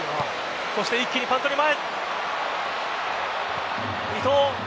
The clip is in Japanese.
そして一気にパントで前。